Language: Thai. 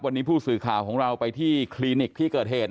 วันนี้ผู้สื่อข่าวของเราไปที่คลินิกที่เกิดเหตุ